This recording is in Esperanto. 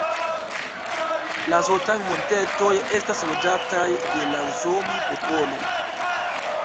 La Zotang-Montetoj estas loĝataj de la Zomi-popolo.